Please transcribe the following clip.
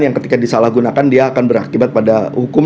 yang ketika disalahgunakan dia akan berakibat pada hukum